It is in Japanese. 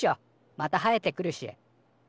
また生えてくるし。